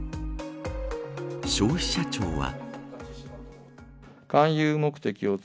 消費者庁は。